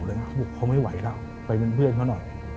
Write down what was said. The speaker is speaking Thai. เขาไม่ไหวแล้วไปเป็นเพื่อนเขาน่ะ